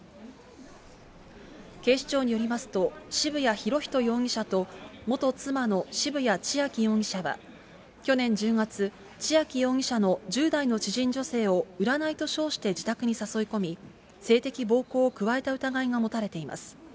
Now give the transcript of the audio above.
警視庁によりますと、渋谷博仁容疑者と、元妻の渋谷千秋容疑者は、去年１０月、千秋容疑者の１０代の知人女性を占いと称して自宅に誘い込み、性的暴行を加えた疑いが持たれています。